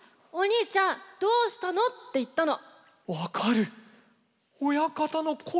「お兄ちゃんどうしたの？」って言ったの。